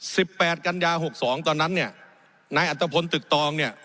แปดกันยาหกสองตอนนั้นเนี่ยนายอัตภพลตึกตองเนี่ย